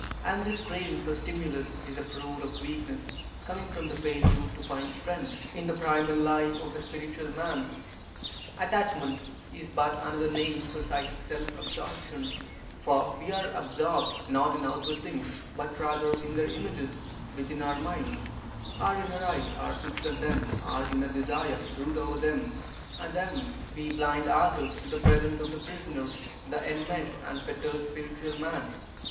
And this craving for stimulus is the fruit of weakness, coming from the failure to find strength in the primal life of the spiritual man. Attachment is but another name for psychic self absorption; for we are absorbed, not in outward things, but rather in their images within our minds; our inner eyes are fixed on them; our inner desires brood over them; and em we blind ourselves to the presence of the prisoner' the enmeshed and fettered spiritual man.